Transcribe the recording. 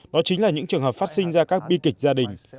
đó chính là những trường hợp phát sinh ra các bi kịch gia đình